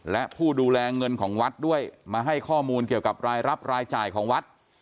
และผู้ดูแลเงินของวัดด้วยมาให้ข้อมูลเกี่ยวกับรายรับรายจ่ายของวัด